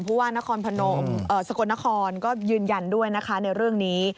ว่านครพนมสกลนครก็ยืนยันด้วยนะคะในเรื่องนี้